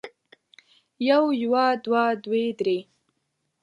يو يوه دوه دوې درې